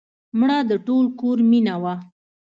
مړه د ټول کور مینه وه